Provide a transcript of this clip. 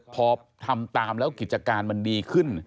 พอทำตามแล้วกิจการมันดีขึ้น